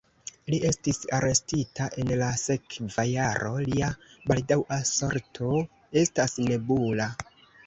Li estis arestita en la sekva jaro, lia baldaŭa sorto estas nebula.